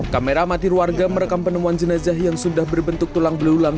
kameramatir warga merekam penemuan jenazah yang sudah berbentuk tulang berulang